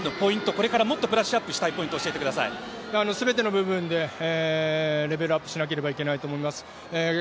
これからもっとブラッシュアップしたいポイント全ての部分でレベルアップしなければいけないと思います。